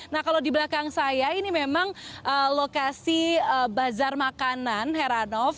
nah kalau di belakang saya ini memang lokasi bazar makanan heranov